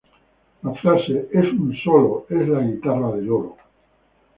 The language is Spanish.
La frase ""Es un solo, ¡es la guitarra de Lolo!